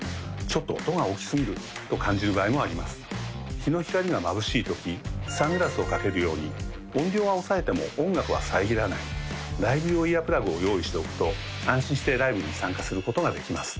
日の光がまぶしい時サングラスをかけるように音量は抑えても音楽は遮らないライブ用イヤープラグを用意しておくと安心してライブに参加することができます